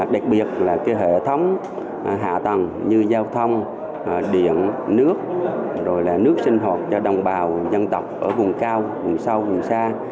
đặc biệt là hệ thống hạ tầng như giao thông điện nước nước sinh hợp cho đồng bào dân tộc ở vùng cao vùng sâu vùng xa